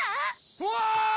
うわ！